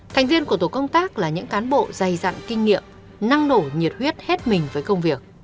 thành viên của tổ công tác là những cán bộ dày dặn kinh nghiệm năng nổ nhiệt huyết hết mình với công việc